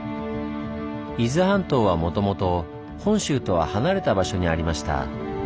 伊豆半島はもともと本州とは離れた場所にありました。